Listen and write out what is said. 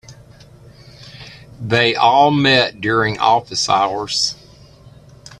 They all met during office hours.